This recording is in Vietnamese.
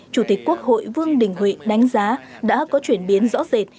chủ tịch quốc hội vương đình huệ đánh giá đã có chuyển biến rõ rệt